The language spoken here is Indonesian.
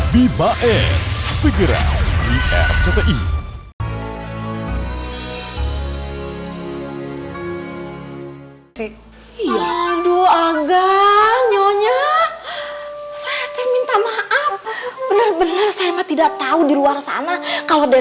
bibae figurant di rcti